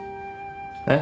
えっ？